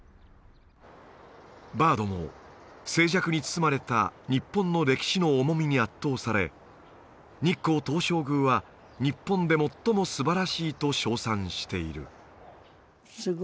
バードも静寂に包まれた日本の歴史の重みに圧倒され日光東照宮はと称賛している